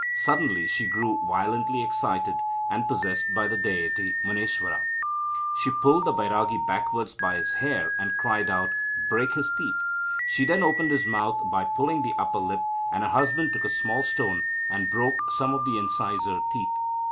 Suddenly she grew violently excited, and possessed by the deity Muniswara. She pulled the Bairagi backwards by his hair, and cried out, "Break his teeth." She then opened his mouth by pulling up the upper lip, and her husband took a small stone, and broke some of the incisor teeth.